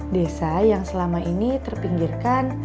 desa yang selama ini terpinggirkan